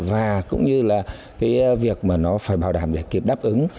và cũng như là cái việc mà nó phải bảo đảm để kịp đáp ứng